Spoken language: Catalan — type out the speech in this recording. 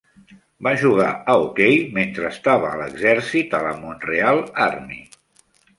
Va jugar a hoquei mentre estava a l'exèrcit a la Montreal Army.